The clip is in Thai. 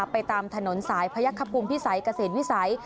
ไปตามถนนสายพระยะขับภูมิภิสัยเกษียณวิสัย